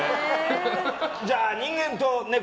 じゃあ人間とネコ